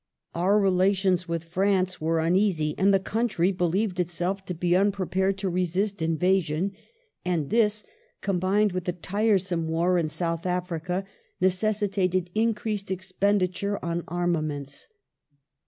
Our re The alarm lations with France were uneasy; the country believed itself °^^^^ to be unprepared to resist invasion, and this, combined with the tiresome war in South Africa, necessitated increased expenditure on armaments.